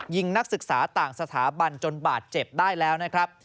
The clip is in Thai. นักศึกษาต่างสถาบันจนบาดเจ็บได้แล้วนะครับ